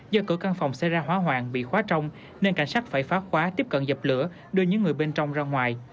do cửa căn phòng xảy ra hóa hoàng bị khóa trong nên cảnh sát phải phá khóa tiếp cận dập lửa đưa những người bên trong ra ngoài